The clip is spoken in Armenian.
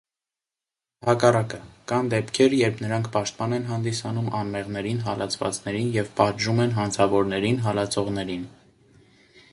Ընդհակառակը, կան դեպքեր, երբ նրանք պաշտպան են հանդիսանում անմեղներին, հալածվածներին և պատժում են հանցավորներին, հալածողներին: